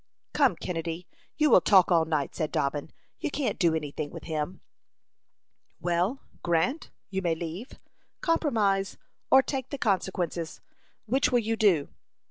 "Come, Kennedy, you will talk all night," said Dobbin. "You can't do any thing with him." "Well, Grant, you may leave, compromise, or take the consequences. Which will you do?"